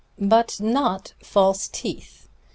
"But not false teeth.